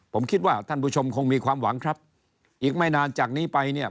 ผมคิดว่าท่านผู้ชมคงมีความหวังครับอีกไม่นานจากนี้ไปเนี่ย